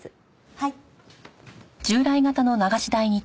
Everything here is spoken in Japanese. はい。